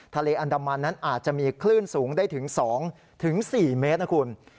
ทะเลอันดามันนั้นอาจจะมีคลื่นสูงได้ถึง๒๔เมตรนะคุณ